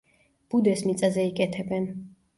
ბუდეს მიწაზე იკეთებენ.